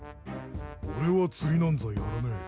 俺は釣りなんざやらねえ。